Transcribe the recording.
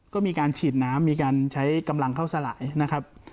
ก็มีการฉีดน้ำมีการใช้กำลังเข้าสลายนะครับ